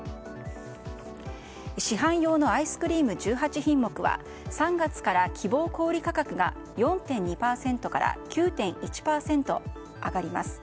市販用のアイスクリーム１８品目は３月から希望小売価格が４．２％から９．１％上がります。